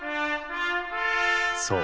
そう。